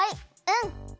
うん。